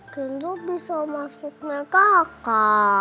kenzo bisa masuk neraka